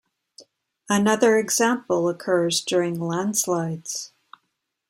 Another example occurs during landslides.